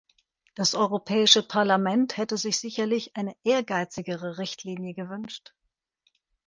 Das Europäische Parlament hätte sich sicherlich eine ehrgeizigere Richtlinie gewünscht.